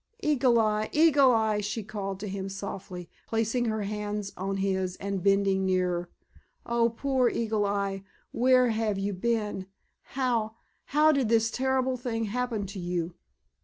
"Eagle Eye, Eagle Eye," she called to him softly, placing her hands on his and bending nearer. "Oh, poor Eagle Eye, where have you been; how, how, did this terrible thing happen to you?"